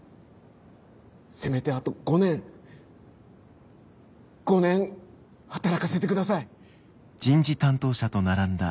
せめてあと５年５年働かせてください。